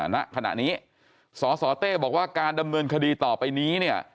ณขณะนี้สสเต้บอกว่าการดำเนินคดีต่อไปนี้เนี่ย